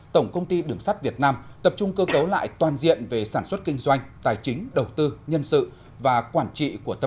tổng công ty đường sắt việt nam tập trung cơ cấu lại toàn diện về sản xuất kinh doanh